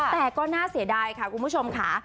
แต่ก็น่าเสียดายค่ะคุณผู้ชมค่ะ